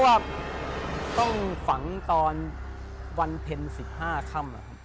ว่าต้องฝังตอนวันเพ็ญ๑๕ค่ำ